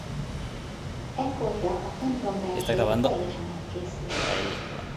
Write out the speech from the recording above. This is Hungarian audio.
Ekkorra a templom belseje teljesen elkészült.